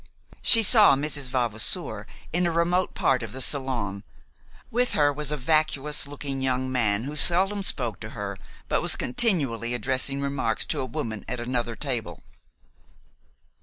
She saw Mrs. Vavasour in a remote part of the salon. With her was a vacuous looking young man who seldom spoke to her but was continually addressing remarks to a woman at another table.